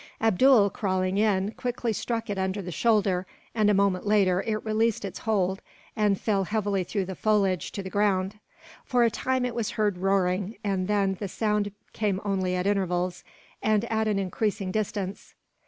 Abdool, crawling in, quickly struck it under the shoulder and, a moment later, it released its hold and fell heavily through the foliage to the ground. For a time it was heard roaring, and then the sound came only at intervals, and at an increasing distance.